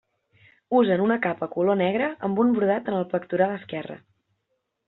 Usen una capa color negre amb un brodat en el pectoral esquerre.